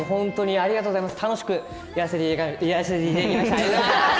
ありがとうございます。